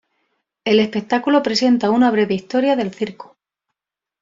El espectáculo presenta una breve historia del Circo.